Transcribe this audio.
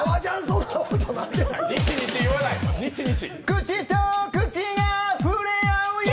口と口が触れ合うよ。